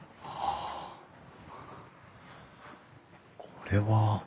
これは？